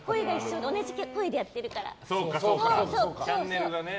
同じ声でやってるから。